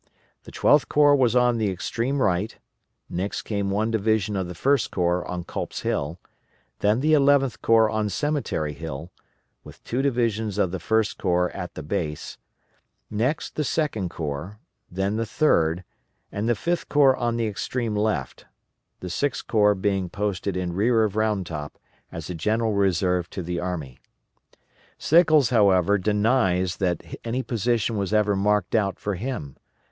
The Twelfth Corps was on the extreme right; next came one division of the First Corps on Culp's Hill, then the Eleventh Corps on Cemetery Hill, with two divisions of the First Corps at the base; next the Second Corps; then the Third, and the Fifth Corps on the extreme left, the Sixth Corps being posted in rear of Round Top as a general reserve to the army. Sickles, however, denies that any position was ever marked out for him.